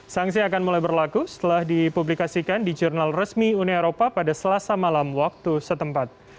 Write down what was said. sanksi akan mulai berlaku setelah dipublikasikan di jurnal resmi uni eropa pada selasa malam waktu setempat